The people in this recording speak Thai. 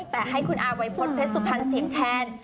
แต่ให้คุณอาวัยพฤษเพชรสุพรรณเสียงแทน